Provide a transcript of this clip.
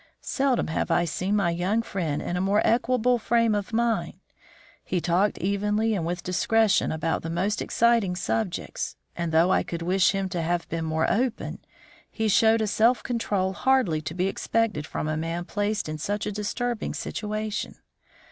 "Seldom have I seen my young friend in a more equable frame of mind. He talked evenly and with discretion about the most exciting subjects; and, though I could wish him to have been more open, he showed a self control hardly to be expected from a man placed in such a disturbing situation.